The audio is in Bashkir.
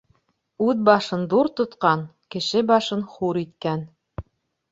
Үҙ башын ҙур тотҡан, кеше башын хур иткән.